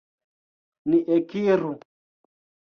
Ni ekiru!